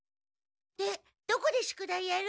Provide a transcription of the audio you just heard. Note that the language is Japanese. でどこで宿題やる？